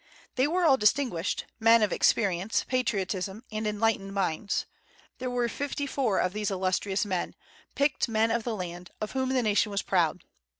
They were all distinguished, men of experience, patriotism, and enlightened minds. There were fifty four of these illustrious men, the picked men of the land, of whom the nation was proud.